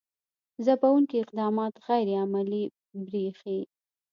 ځپونکي اقدامات غیر عملي برېښي.